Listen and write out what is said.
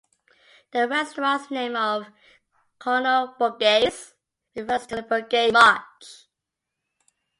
The restaurant's name of "Colonel Bogey's" refers to the Colonel Bogey March.